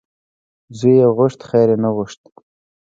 ـ زوی یې غوښت خیر یې نه غوښت .